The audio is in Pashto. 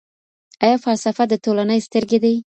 آیا فلسفه د ټولني سترګې دي؟